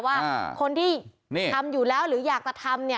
ว่าคนที่ทำอยู่แล้วหรืออยากจะทำเนี่ย